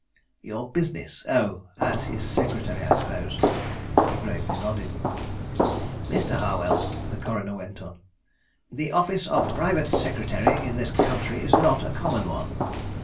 "Your business? Oh, as his secretary, I suppose?" He gravely nodded. "Mr. Harwell," the coroner went on, "the office of private secretary in this country is not a common one.